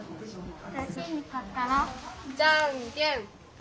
じゃんけん。